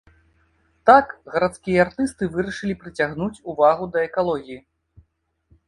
Так гарадскія артысты вырашылі прыцягнуць увагу да экалогіі.